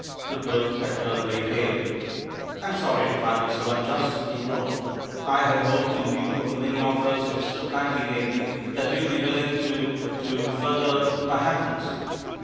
Cuthbert had turned very pale. "I'm sorry to find you so unjust," he groaned. "I had hoped, in view of the many offers you have so kind! 3^ made me, that you'd be willing to — to further my happiness.